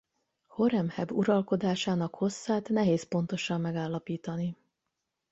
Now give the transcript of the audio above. Horemheb uralkodásának hosszát nehéz pontosan megállapítani.